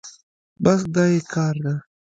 بس دا يې کار ده.